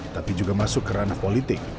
tapi juga masuk ke ranah politik